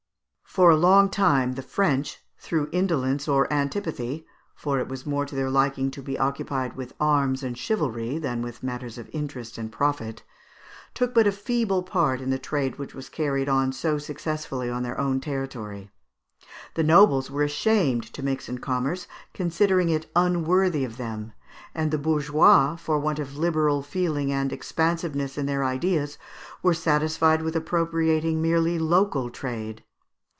For a long time the French, through indolence or antipathy for it was more to their liking to be occupied with arms and chivalry than with matters of interest and profit took but a feeble part in the trade which was carried on so successfully on their own territory. The nobles were ashamed to mix in commerce, considering it unworthy of them, and the bourgeois, for want of liberal feeling and expansiveness in their ideas, were satisfied with appropriating merely local trade.